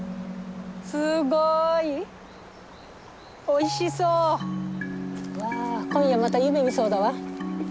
おいしそう。わ今夜また夢見そうだわ。